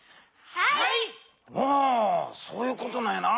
はそういうことなんやな。